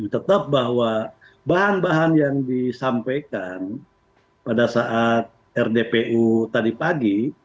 tetap bahwa bahan bahan yang disampaikan pada saat rdpu tadi pagi